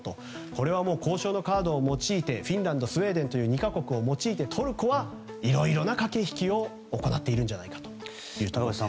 これは交渉カードを用いてフィンランド、スウェーデンの２か国を用いてトルコはいろいろな駆け引きを行っているんじゃないかということです。